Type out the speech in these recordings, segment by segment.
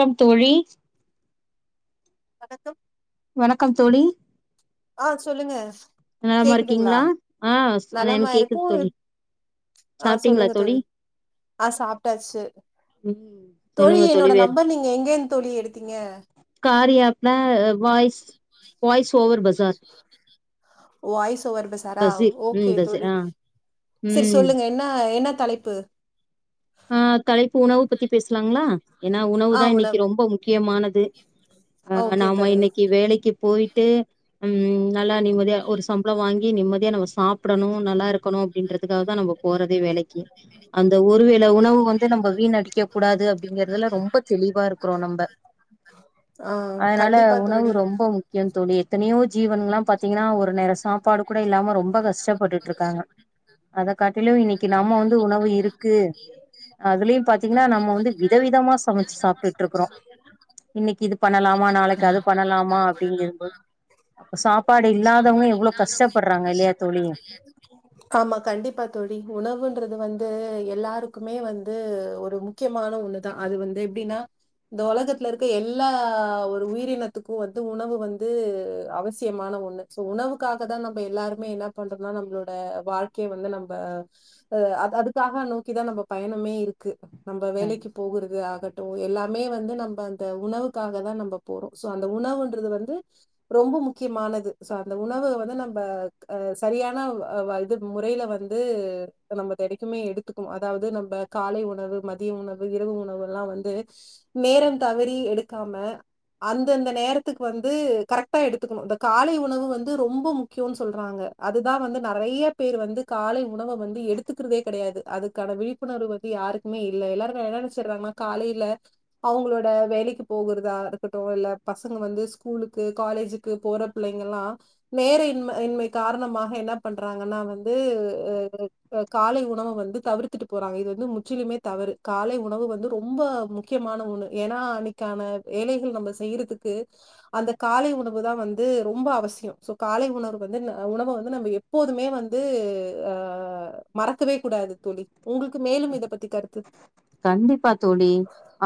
Come தோழி வணக்கம் வணக்கம் தோழி ஆ சொல்லுங்க நலமா கேக்குதுங்ளா இருக்கீங்களா ஆ ஸ்- நலமா எனக்கு கேக்குது இருக்கு தோழி ரித் ஆ சொல்லுங்க தோழி ஆ சாப்ட்டாச்சு ம் தோழி என்னோட நம்பர் நீங்க எங்கேர்ந்து தோழி எடுத்தீங்க கார்யா ஆப்ல வாய்ஸ் வாய்ஸ் ஓவர் பசார் வாய்ஸ் ஓவர் பசாரா பசீர் ம் ஓகே பசீர் தோழி ஆ செரி ம் சொல்லுங்க என்ன என்ன தலைப்பு ஆ தலைப்பு உணவு பத்தி பேசலாங்களா ஏன்னா உணவு தா இன்னிக்கி ரொம்ப மு க்கியமானது அ ஓகே நாம தோழி இன்னக்கி வேலைக்கு போயிட்டு ம் நல்லா நிம்மதியா ஒரு சம்பளோ வாங்கி நிம்மதியா நம்ம சாப்படணு நல்லா இருக்கணு அப்டின்றதுக்காக தா நம்ப போறதே வேலைக்கி அந்த ஒரு வே இந்த உணவு வந்து நம்ப வீண் அடிக்க கூடாது அப்டிங்கறதுல ரொம்ப தெளிவா இருக்கறோ நம்ப ஆ அதனால கண்டிப்பா உணவு தோழி ரொம் ப முக்கியோ தோழி எத்தனையோ ஜீவன்ல்லா பாத்திங்கன்னா ஒரு நேரோ சாப்பாடு கூட இல்லாம ரொம்ப கஷ்டப்பட்டுட்டுருக்காங்க அத காட்டிலு இன்னிக்கி நம்ம வந்து உணவு இருக்கு அதுலயு பாத்திங்கன்னா நம்ம வந்து வித விதமா சமைச்சு சாப்ட்டுட்ருக்கறோ இன்னிக்கி இது பண்ணலாமா நாளைக்கு அது பண்ணலாமா அப்டிங்கறபோது இப்ப சாப்பாடு இல்லாதவங்க எவ்ளோ கஷ்ட்டப்படுறாங்க கஷ்டப்படுறாங்க இல்லயா தோழி ஆமா கண்டிப்பா தோழி உணவுன்றது வந்து எல்லாருக்குமே வந்து ஒரு மு க்கியமான ஒண்ணுதா அது வந்து எப்டின்னா இந்த ஒலகத்துல இருக்க எல்லா ஒரு உயிரினத்துக்கு வந்து உணவு வந்து அவசியமான ஒண்ணு சோ உணவுக்காக தா நம்ம எல்லாருமே என்ன பண்றோன்னா நம்பளோட வாழ்க்கைய வந்து நம்ப அ அது அதுக்காக நோக்கிதா நம்ப பயணமே இருக்கு நம்ப வேலைக்கு போகுறது ஆக ட்டுஎல்லாமே வந்து நம்ப அந்த உணவுக்காக தா நம்ப போறோ சோ அந்த உணவுன்றது வந்து ரொம்ப முக்கியமானது சோ அந்த உணவு வந்து நம்ப க சரியான வ வ இது முறையில வந்து நம்ம தெடைக்குமே எடுத் [unintelligible] அதாவ்து நம்ப காலை உணவு மதிய உணவு இரவு உணவு எல்லா வந்து நேரம் தவறி எடுக்காம அந்தந்த நேரத்துக்கு வந்து கரக்ட்டா எடுத்துக்கணு இந்த காலை உணவு வந்து ரொம்ப முக்கியோன் சொல்றாங்க அதுதா வந்து நறைய பேர் வந்து காலை உணவ வந்து எடுத்துக்கறதே கெடையாது அதுக்கான விழிப் புணர்வு வந்து யாருக்குமே இல்ல எல்லாருக்கு என்ன நெனச்சர்றாங்கன்னா காலையில அவுங்களோட வேலைக்கு போகுறதா இருக்கட்டு இல்ல பசங்க வந்து ஸ்கூலுக்கு காலேஜ் க்கு போற பிள்ளைங்கல்லா நேர இன்ம இன்மை காரணமாக என்ன பண்றாங்கன்னா வந்து உ உ காலை உணவ வந்து தவிர்த்துட்டு போறாங்க இது வந்து முற்றிலுமே தவறு காலை உணவு வந்து ரொம்ப முக்கியமான ஒன்னு ஏன்னா அதுக்கான வேலைகள் நம்ம செய்யறதுக்கு அந்த காலை உணவு தா வந்து ரொம்ப அவசியோ சோ காலை உணவு வந்து உணவ வந்து நம்ப எப்போதுமே வந்து ஆ மறக்கவே கூடாது தோழி உங்களுக்கு மேலும் இத பத்தி கருத்து கண்டிப்பா தோழி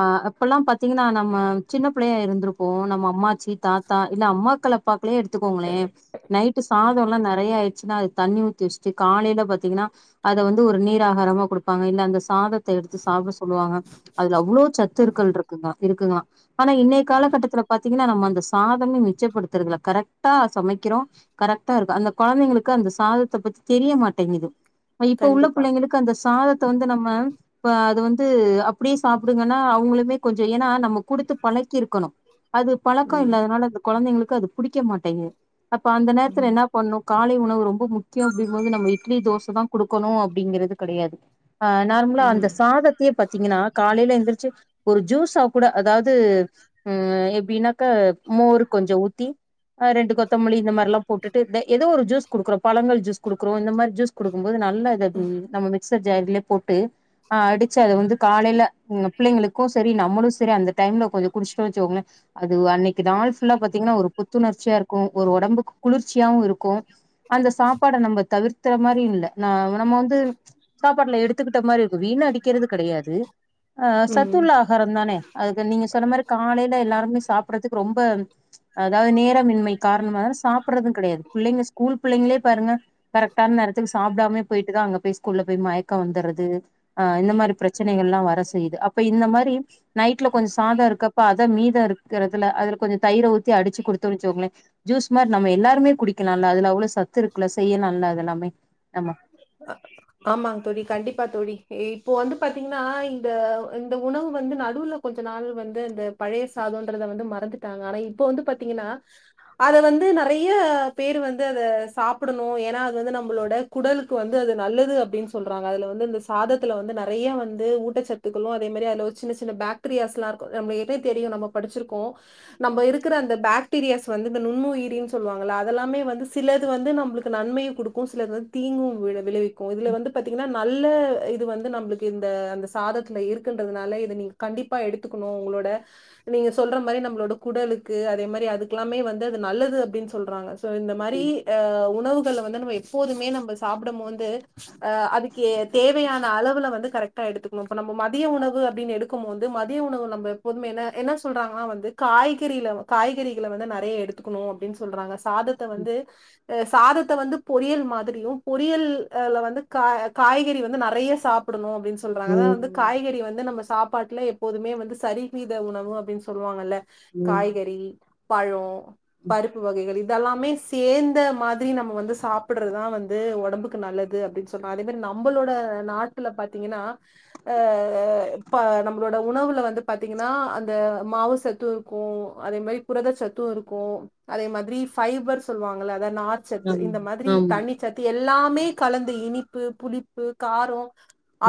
ஆ அப்பல்லா பாத்தீங்கன்னா நம்ம சின்ன பிள்ளையா இருந்திருப்போ நம்ம அம்மாச்சி தாத்தா இல்ல அம்மாக்கள பாக்லே எடுத்துக்கோங்களே நைட்டு சாதோல்லா நெறைய ஆயிருச்சுன்னா அது தண்ணி ஊத் திஸ்ட்டு காலையில பாத்தீங்கன்னா அத வந்து ஒரு நீராகாரமா குடுப்பாங்க இல்ல அந்த சாதத் எடுத்து சாப்ட சொல்லுவாங்க அதுல அவ்ளோ ஆமா. சத்துருக்கள் இருக்குதா இருக்குங்கலா ஆனா இன்னை காலகட்டத்தில பாத்தீங்கன்னா நம்ம வந்து சாதாமு மிச்சப்படுத்துறதுல கரைட்டா சமைக்கிறோ கரெக்ட்டா இருக்கு அந்த கொழந்தைங்களுக்கு அந்த சாதத்த பத்தி தெரிய மாட்டிங்குது இப்ப உள்ள கண்டிப்பா புள்ளைங்களுக்கு அந்த சாதத்த வந்து நம்ம இப்ப அது வந்து அப்டியே சாப்புடுங்கன்னா அவங்களுமே கொஞ்ச ஏன்னா நம்ம குடுத்து பழக்கிருக்கணு அது பழக்கம் ம் இல்லாதனால அந்த கெழந்தைங்களுக்கு அது புடிக்க மாட்டேங்குது அப்ப அந்த ம் நேரத்துல என்ன பண்ணு காலை உணவு ரொம்ப முக்கியம் அப்டிம்போது நம்ம இட்லி தோச தா குடுக்கணு அப்டிங்கிறது கெடையாது ஆ நார்மலா அந்த ம் சாதத்தையே பாத்தீங்கன்னா காலையில எந்திருச்சு ஒரு ஜூஸா கூட அதாவது ம் எப்டின்னாக்கா மோர் கொஞ்ச ஊத்தி ஆ ரெண்டு கொத்தமல்லி இந்த மாரி எல்லா போட்டுட்டு எதோ ஒரு ஜூஸ் குடுக்குறோ பழங்கள் ஜூஸ் குடுக்குறோ இந்த மாரி ஜூஸ் குடுக்கும்போது நல்லா இத ம் நம்ம மிக்சர் ஜார்லே போட்டு ஆ அடிச்சு அது வந்து காலையில பிள்ளைங்களுக்கு சரி நம்மளு சரி அந்த டைம்ல கொஞ்ச குடிச்சிட்டோ வச்சுகங்களே அது அன்னைக்கு நாள் ஃபுல்லா பாத்தீங்கன்னா ஒரு புத்துணர்ச்சியா இருக்கு ஒரு ஒடம்புக்கு குளிர்ச்சியாவு இருக்கு அந்த சாப்பாட நம்ம தவிர்க்கிற மாரி இல்ல ந நம்ம வந்து சாப்பாட்டுல எடுத்துக்கிட்ட மாரி வீண் அடிக்கிறது கிடையாது அ ம். சத்துல்ல ஆகாரம் தான அதுக்கு நீங்க சொன்ன மாரி காலையில எல்லாருமே சாப்பட்றதுக்கு ரொம்ப அதாவது நேரமின்மை காரணமாக சாப்பட்றது கிடையாது பிள்ளைங்க ஸ்கூல் பிள்ளைங்களே பாருங்க கரெக்டான நேரத்துக்கு சாப்டாமே போயிட்டு தா அங்க போய் ஸ்கூல்ல போய்ட்டு மயக்கோ வந்தறது ஆ இந்த மாரி பிரச்சனைகல்லா வர செய்யுது அப்ப இந்த மாரி நைட்ல கொஞ்ச சாதோ இருக்கப்ப அத மீதம் இருக்கறதுல அதுல கொஞ்ச தயிர ஊத்தி அடிச்சு குடுத்தோ வச்சுகோங்கள ஜூஸ்மார் நம்ம எல்லாருமே குடிக்கலால்ல அதுல அவ்ளோ சத்து இருக்குல செய்யலால்ல அது எல்லாமே நம்ம அம ஆமாங்க தோழி கண்டிப்பா தோழி இப்போ வந்து பாத்தீங்கன்னா இந்த இந்த உணவு வந்து நடுல கொஞ்ச நாள் வந்து அந்த பழைய சாதம்ன்றத வந்து மறந்துட்டாங்க ஆனா இப்ப வந்து பாத்தீங்கன்னா அத வந்து நெறைய பேரு வந்து அத சாப்படணு ஏன்னா அது வந்து நம்மளோட குடலுக்கு வந்து அது நல்லது அப்டின்னு சொல்றாங்க அதுல வந்து இந்த சாதத்துல வந்து நெறைய வந்து ஊட்டச்சத் துகளு அதே மாரி அதுல ஒரு சின்ன சின்ன பேக்டீரியாஸ்லா இருக்கு நம்ம இதே தெரியு நம்ம படிச்சிருக்கோ நம்ம இருக்கற அந்த பாக்டீரியாஸ் வந்து இந்த நுண்ணுயிரி சொல்லுவாங்கள அதெல்லாமே வந்து சிலது வந்து நம்மளுக்கு நன்மைையு குடுக்கு சிலது தீங்கும் வி விளைவிக்கும் இதுல வந்து பாத்தீங்கன்னா நல்ல இது வந்து நம்மளுக்கு இந்த அந்த சாதத்துல இருக் இருகுன்றதுனால இத நீங்க கண்டிப்பா எடுத்துக்கணு உங்களோட நீங்க சொல்ற மாரி நம்மளோட குடலுக்கு அதே மாரி அதுக்கெல்லாமே வந்து அது நல்லது அப்டின்னு சொல்றாங்க சோ இந்த மாரி அ உணவுகள்ல வந்து நம்ம எப்போதுமே நம்ம சாப்படும்போது ஆ அதுக்கு தேவையான அளவுல வந்து கரெக்டா எடுத்துக்கணு இப்ப நம்ம மதிய உணவு அப்டின்னு எடு எடுக்கும் போது மதிய உணவுல நம்ம எப்போதுமே என்ன என்ன சொல்றாங்கன்னா வந்து காய்கறி காய்கறிகள வந்து நெறைய எடுத் எடுத்துக்கணு அப்டின்னு சொல்றாங்க சாதத்த வந்து சாதத்த வந்து பொறியல் மாதிரியு பொறியல்ல வந்து காய்கறி வந்து நெறய சாப்டணு அப்டின் சொல்றாங்க அதா ம் வந்து காய்கறி வந்து நம்ம சாப்பாட்டுல எப்பேதுமோ சரிவீத உணவு அப்டின் சொல்லுவாங்கல்ல ம் காய்கறி பழோ பருப்பு வகைகள் இதெல்லாமே செ தேந்த மாதிரி நம்ம வந்து சாப்றதுதா வந்து ஒடம்புக்கு நல்லது அப்டின் சொன்னா அதே மாதிரி நம்மளோட நாட்டுல பாத்தீங்னா அ இப்ப நம்மளோட உணவுல வந்து பாத்தீங்னா அந்த மாவுசத்து க்கோ அதே மாரி புரத சத்து இருக்கு அதே மாதிரி ஃபைபர் சொல்லுவாங்ள அத நார் சத்து ஆமா இந்த மாதிரி தண்ணிச்சத் எல்லாமே கலந்து இனிப்பு, புளிப்பு, காரோ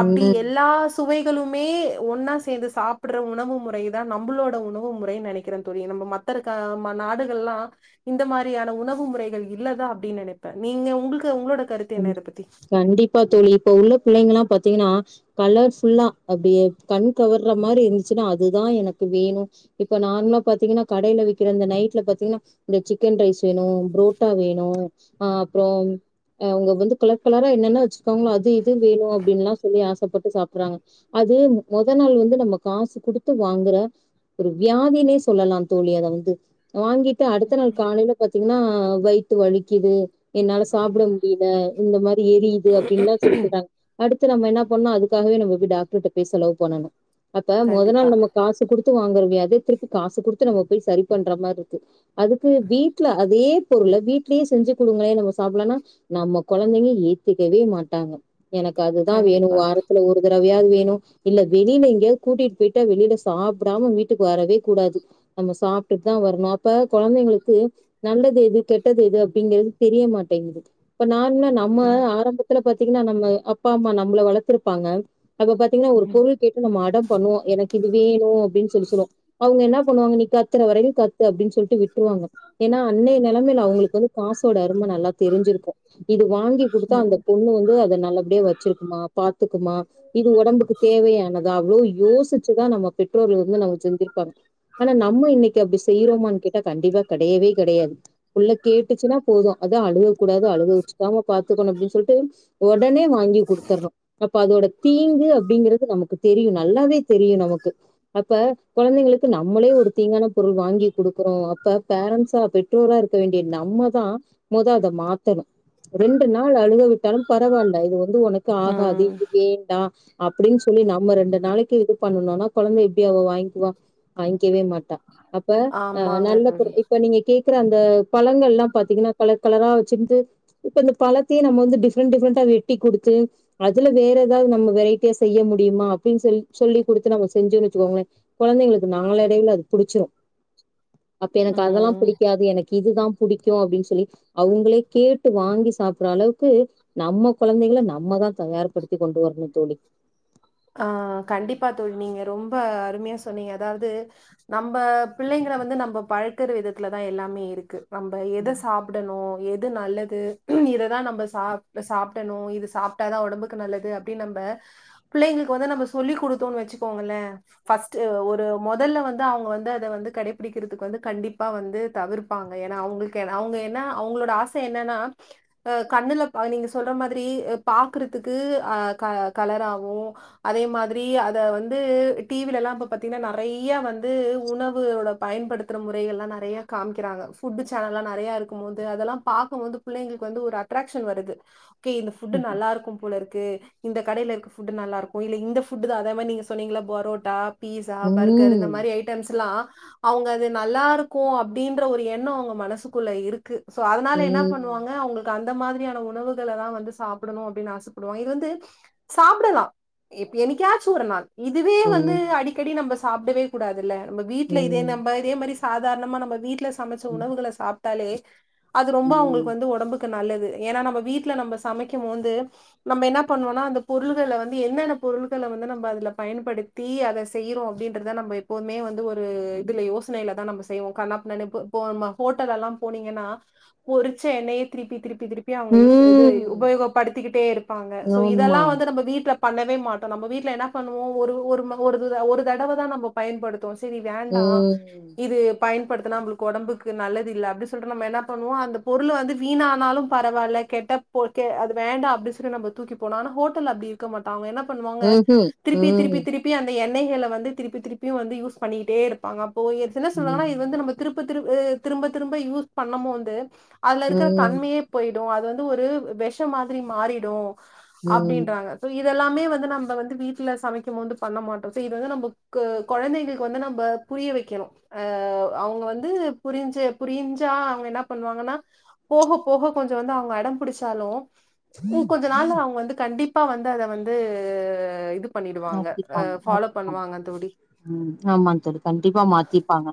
அப்டி எல்லா துவைகளுமே ஒன்னா சேந்து சாப்ட்ற உணவு முறை தா நம்மளோட உணவு முறை நெனக்கிறே தோழி நம்ம மத்த த்திருக்க நாடுகள்லா இந்த மாதிரியான உணவு முறைகள் இல்லதா அப்டின் நெனப்பே நீங்க ஒங்களுக்கு ங்க உங்களோட கருத் கண்டிப்பா தோழி இப்ப உள்ள புள்ளைங்கல்லா பாத்தீங்னா கலர்ஃபுல்லா அப்டியே கண் கவர்ற மாதிரி இருந்துச்சுன்னா அதுதா எனக்கு வேனு இப்ப நார்மலா பாத்தீங்னா கடையில விக்கிற அ இந்த நைட்ல பாத்தீங்னா இந்த சிக்கன் ரைஸ் வேனு புரோட்டா வேனு அ அப்புறோ அவுங்க வந்து கலர் கலரா என்னென்ன வெச்சிருக்காங்களோ அது இது வேனு அப்டின்னுல்லா சொல்லி ஆசப்பட்டு சாப்றாங்க அது மொத நாள் வந்து நம்ம காசு குடுத்து வாங்குற ஒரு வியாதினே சொல்லலா தோழி அத வந்து வாங்கிட்டு அடுத்த நாள் காலேல பாத்தீங்னா வயித்து வலிக்குது என்னால சாப்ட ல இந்த மாரி எரியுது அப்டின்னுல்லா சொல்லி சொல்றாங்க அடுத்து நம்ம என்ன பண்ணோ அதுக்கவே நம்ம போய் டாக்டர்கிட்ட போய் செலவு பண்ணனு அப்ப மொத கண்டிப்பா நாள் நம்ம காசு குடுத்து வாங்குறமே அதே திருப்பி காசு குடுத்து நம்ம போய் சரி பண்ற மாதிரி இருக்கு அதுக்கு வீட்ல அதே பொருள வீட்லயே செஞ்சு கொடுங்களே நம்ம சாப்லானா நம்ம கொழந்தைங்க ஏத்துக்கவே மாட்டாங்க எனக்கு அதுதா வேனு கண்டிப்பா வாரத்துல ஒரு ஒரு தடவயாது வேனு இல்ல வெளில எங்கேயோ கூட்டிட்டு போயிட்டா வெளில சாப்டாம வீட்டுக்கு வரவே கூடாது நம்ம சாப்ட்டு தா வரனு அப்ப கொழந்தைங்களுக்கு நல்லது எது கெட்டது எது அப்டிங்குறது தெரியமாட்டேங்குது இப்ப நா என்ன நம்ம ம் ஆரம்பத்துல பாத்தீங்னா நம்ம அப்பா அம்மா நம்மள வளத்துருப்பாங்க அப்ப பாத்தீங்னா ஒரு ம் பொருள் கேட்டு நம்ம அடம் பண்ணுவோ எனக்கு இது வேனு அப்டின் சொல்லி சொல்லுவோ அவுங்க என்னா பண்ணுவாங்க நீ கத்துற வரைக்கு கத்து அப்டின் சொல்ட்டு விட்ருவாங்க ஏன்னா அன்னைய நெலமையில அவுங்களுக்கு வந்து காசோட அரும நல்லா தெரிஞ்சிருக்கு இது வாங்கி குடுத்தா அந்த ம் பொண்ணு வந்து அத நல்லபடியா வெச்சிருக்குமா பாத்துக்குமா இது ஒடம்புக்கு தேவையானதா அவ்ளோ யோசிச்சுதா நம்ம பெற்றோர்கள் வந்து நமக்கு செஞ்சுருப்பாங்க ஆனா நம்ம இன்னைக்கு அப்டி செய்ரோமான் கேட்டா கண்டிப்பா கெடயவே கெடயாது புள்ள கேட்டுச்சுனா போது அது அழுக கூடாது அழுக வச்சுக்காம பாத்துக்கனு அப்டின்னு சொல்லிட்டு ஒடனே வாங்கி குடுத்தறோ அப்ப அதோட தீங்கு அப்டிங்குறது நமக்கு தெரியு நல்லாவே தெரியு நமக்கு அப்ப கொழந்தைங்களுக்கு நம்மளே ஒரு தீங்கான பொருள் வாங்கி குடுக்குறோ அப்ப பேரண்ட்ஸோ அப் ற்றோரா இருக்க வேண்டிய நம்ம தா மொத அத மாத் த்தனு ரெண்டு நாள் அழுக விட்டாலு பரவாயில்ல இது வந்து ஒனக்கு ஆகாது ம் இது வேண்டா அப்டின் சொல்லி நம்ம ரெண்டு நாளைக்கு இது பண்ணனுனா கொழந்த எப்டி அவ வாங்கிகுவா வாங்கிக்கவே மாட்டா அப்ப ஆமாங்க நல்ல தோழி பொருள் இப்ப நீங்க கேக்குற அந்த பழங்கள் எல்லா பாத்தீங்னா கலர் கலரா ந்து இப்ப இந்த பழத்தையே நம்ம வந்து டிஃப்ரெண்ட் டிஃப்ரெண்டா வெட்டி குடுத்து அதுல வேற ஏதாவது நம்ம வெரைட்டியா செய்ய முடியுமா அப்படின்னு சொி சொல்லி் குடுத்து நம்ம செஞ்சுன்னு வச்சுக்கோங்களே கொழந்தைங்களுக்கு நாளடைவுல அது புடிச்சிரு அப்ப எனக்கு அதெல்லா ம் புடிக்காது எனக்கு இதுதா புடிக்கோ அப்படின்னு சொல்லி அவங்களே கேட்டு வாங்கி சாப்பிற அளவுக்கு நம்ம கொழந்தைகள நம்ம தா தயார்படுத்தி கொண்டு வரணு தோழி ஆ கண்டிப்பா தோழி நீங்க ரொம்ப அருமையா சொன்னீங்க அதாது நம்ப பிள்ளைங்கள வந்து நம்ம பழக்கற விதத்துலதா எல்லாமே இருக்கு நம்ப எத சாப் புடனு எது நல்லது இததா நம்ப சாப்ட சாப்டனு இத சாப் புட்டதா ஒடம்புக்கு நல்லது அப்படின்னு நம்ம புள்ளைங்களுக்கு வந்து நம்ம சொல்லி் குடுத்தோன்னு வச்சுக்கோங்களே ஃபஸ்ட்டு ஒரு மொதல்ல வந்து அவுங்க வந்து அத வந்து கடைபிடிக்கிறதுக்கு வந்து கண்டிப்பா வந்து தவிர்ப் பாங்க ஏன்னா அவங்களுக்கு அவங்க ஏனா அவங்களோட ஆசை என்னன்னா அ கண்ணுல நீங்க சொல்லுற மாதிரி பாக்குறதுக்கு ஆ க கலராவு வோ அதே மாதிரி அத வந்து டிவிலல்லா இப்ப பாத்தீங்கன்னா நறைய வந்து உணவுளோட பயன்படுத்துற முறைகள்லா நறைய காமிக்கிறாங்க ஃபுட்டு சேனல்லா நறையாருக்கும் போது அதுல்லா பாக்கும்போது புள்ளைங்களுக்கு வந்து ஒரு அட்ராகஷன் வருது ஓகே இந்த ஃபுட்டு் நல்லாருக்கும் போலருக்கு இந்த கடையிலருக் ஃபு ஃபுட்டு நல்லாருக்கு இல்ல இந்த ஃபுட்டு தா அதே மாரி நீங்க சொன்னீங்கள பரோட்டா பீசா பர்கர் இந்த ம், மாதிரி ஐட்டம்ஸ்ல்லா அவுங்க அது நல்லாருக்கு அப்படியின்ற ஒரு எண்ணோ அவுங்க மனசுக்குள்ள இருக்கு சோ அதனால என்ன ம், பண்ணுவாங்க அவங்களுக் கு அந்த மாதிரியான உணவுகள தா வந்து சாப்புடணு அப்படின்னு ஆசப்படுவாங்க இது வந்து சாப்பர்லா எப் என்னைக்காச்சு ஒரு நாள் இதுவே ம், வந்து ம், அடிக்கடி நம்ம சாப்டவே கூடாதுல்ல நம்ம வீட்ல இதே ம், நம்ப இதே மாரி சாதாரணமா நம்ம வீட்ல சமைச்ச உணவுகள சாப் டாலே அது ரொம்போ அவுங்களுக்கு ம், வந்து ஒடம்புக் க்கு நல்லது ஏன்னா நம்ம வீட்ல நம்ம சமைக்கும் போது நம்ம என்ன பண்ணுவோன்னா அந்த பொருள்கள வந்து என்னென்ன பொருள்கள வந்து நம்ம அதுல பயன்படுத்தி அத செய்றோ அப்படியின்றத நம்ப எப்போவுமே வந்து ஒரு இதுல யோசனையில தா நம்போ செய்வோ கன்னாபுன்னான்னு இப் இப்போ நம்போ ஹோட்டல்லல்லா போனீங்கன்னா பொரிச்ச எண்ணெயே திருப்பி திருப்பி யே அவுங்க யூஸ் இது ம். உபயோகப்படுத்திக்கிட்டே இருப்பாங்க சோ ஆமா. இதெல்லாம் வந்து நம்ம வீட்ல பண்ணவே மாட்டோ நம்ப வீட்ல என்ன பண்ணுவோ ஒரு ஒரு ம ஒரு இத் ஒரு தடவதா நம்ம பயன்படுத் துவோ சேரி வேண்டா ம். இது பயன்படுத்தினா நம்ப்ளுக்கு ஒடம்புக்கு நல்லதுல்ல அப்டின்னு சொல்லிட்டு நம்ம என்ன பண்ணுவோ அந்த பொருளு வந்து வீணானாலு பரவால்ல கேட்டா ஓகே அது வேண்டா அப்டி சொல்லி நம்ம தூக்கி போனோ ஆனா ஹோட் டலு அப்படி இருக்க மாட்டாங்க என்ன பண்ணுவாங்க ம்ஹ்ம். திருப்பி திருப்பி ம், திருப் பி அந்த எண்ணெய்கள வந்து திருப்பி திருப்பியு வந்து யூஸ் பண்ணிட்டே இருப்பாங்க அப்போ என்ன சொல்வாங்கனா ம், இது வந்து நமக் திருப்ப திருப்ப அ திரும்ப திரும்ப யூஸ் பண்ணம்போது அதுலருக்குற ம், தன்மையே போயிடு அது வந்து ஒரு வெசஷோ மாதிரி மாறிடு அப்டின் ம். ங்க சோ இதெல்லாமே வந்து நம்ம வந்து வீட்ல சமைக்கும்போது வந்து பண்ண மாட்டோ இது வந்து நம்ம க் கொழந்தைகளுக்கு வந்து நம்ப புரிய வைக்கணு அ அவுங்க வந்து புரிஞ்சு புரிஞ்சா அவங்க என்ன பண்ணுவாங்கன்னா போக போக கொஞ்சோ வந்து அவுங்க வந்து அடம்புடிச்சாலு ம் கொஞ்சோ நாள் அவுங்க வந்து கண்டிப் அப்பா வந்து அத வந்து இது பண்ணிடுவாங்க அ மாத்திப்பாங்க, ஃபாலோ மாத்திப்பாங்க. பண்ணுவாங்க தோழி ம் ஆமா தோழி கண்டிப்பா மாத்திப்பாங்க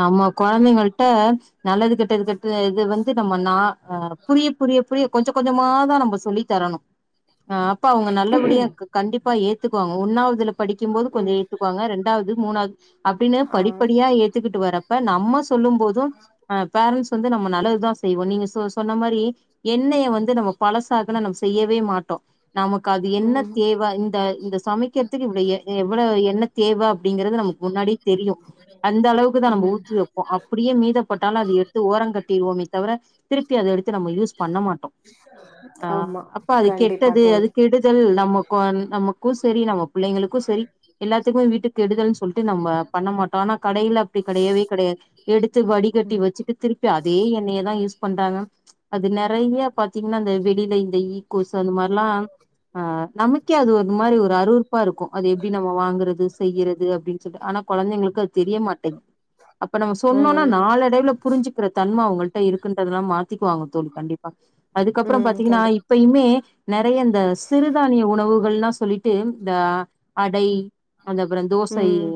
நம்ம கொழந்தைங்கள்ட்ட நல்லது கெட்டது கெட்டது இது வந்து நம்ம நா அ புரிய புரிய புரிய கொஞ்சோ கொஞ்சமாதா நம்ம சொல்லி தரணு [inaudible] ஆ அப்பா அவங்க நல்லபடியா இருக்கும் கண்டிப்பா ஏத்துக்குவாங்க ஒன்னாவதுல படிக்கும் போது கொஞ்சம் ம் ஏத்துக்குவாங்க ரெண் இரண்டாவது மூணாவது அப்டின்னு ஆ படிப்படியா ஏத்துக்கிட்டு வரப்ப நம்ம ஸ் சொல்லும் போதும் அ பேரன்ண்ட்ஸ் வந்து நம்ம நல்லதுதான் செய்வோம் நீங்க சொ சொன்ன மாரி எண்ணெய வந்து நம்ம பழசாக்கனா நம்ம செய்யவே மாட்டோம் நமக்கு அது என்ன ம் தேவ இந்த இந்த சமைக்கிறதுக்கு இப்ப எவ்ளோ என்ன தேவை அப்டிங்கிறது நமக்கு முன்னாடியே தெரியும் அந்த அளவுக்கு தான் நம்ம ம் ஊத்தி வைப்போம் அப்டியே மீதப்பட்டாலு அது எடுத்து ஓரம் கட்டிடுவோம் தவிர திருப்பி அதை எடுத்து நம்ம யூஸ் பண்ண மாட்டோம் ஆ ஆமா அப்ப அது கண்டிப்பா கெட்டது அது தோழி கெடுதல் நம்ம கொ நம்ம நமக்கும் சேரி நம்ம பிள்ளைங்களுக்கும் சேரி எல்லாத்துக்குமே வீட்டுக்கு கெடுதல்ன்னு சொல்லிட்டு நம்ம பண்ண மாட்டோம் ஆனா கடையில அப்டி கிடையவே கிடையாது எடுத்து வடிகட்டி வச் ம் வச்சுட்டு திருப்பி அதே எண்ணெயே தா யூஸ் பண்றாங்க அது நறைய பாத்தீங்கனா அந்த வெளில இந்த ஈ கொசு அது மாரிலா ஆ நமக்கே அது ஒரு ஒரு மாரி ஒரு அறுவருப்பா இருக்கும் அது எப்டி நம்ம வாங்கறது செய்யறது அப்டின்னு சொல்லி ஆனா கொழந்தைங்களுக்கு அது தெரிய மாட்டேங் அப்ப நம்ம சொன்னோனா ம் நாளடைவுல புரிஞ்சுக்கிற தன்ம அவுங்கள்ட்ட இருக்குன்றனால மாத்திக்குவாங்க தோழி கண்டிப்பா அதுக்கப்பறோ ம் பாத்தீங்கனா இப் கண்டிப்பா இப்பயுமே நெறையா இந்த சிறுதானிய உணவுகள்லா சொல்லிட்டு இந்த அடை அது அந்தப்பறோ தோசை ம்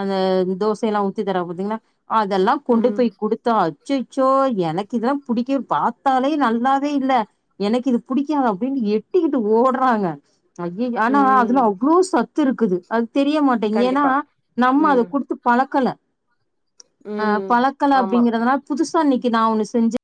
அந்த தோசயெல்லாம் ஊத்தி தராங்க பாத்தீங்ளா அதெல்லா கொண்டு ம் போய் குடுத்தா அச்சச்சோ எனக்கு இதெல்லா புடிக்க பாத்தாலே நல்லாவே இல்ல எனக்கு இது புடிக்காதா அப்டின்னு எட்டிக்கிட்டு ஓட்றாங்க ஆனா அதுல ம் அவ்ளோ சத்து இருக்குது அது தெரிய மாட்டேங் ஏனா கண்டிப்பா நம்ம அத ம் குடுத்து பழக்கல அ ம் பழக்கல ஆமா அப்டிங்கறதுனா புதுசாஇன்னிக்கி நா ஒன்னு செஞ்சு